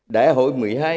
đại hội một mươi hai